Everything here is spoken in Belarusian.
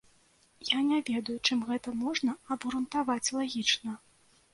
Я не ведаю, чым гэта можна абгрунтаваць лагічна.